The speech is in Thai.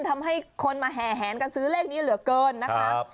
ทำให้คนมาแห่แหนกันซื้อเลขนี้เหลือเกินนะคะ